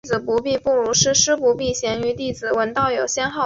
新加坡资讯通信发展管理局成为新加坡信息及艺术部的一个下辖部门。